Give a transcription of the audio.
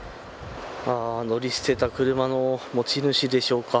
乗り捨てた車の持ち主でしょうか。